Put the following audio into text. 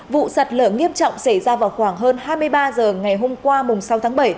vụ sạt lở nghiêm trọng xảy ra vào khoảng hơn hai mươi ba h ngày hôm qua sáu tháng bảy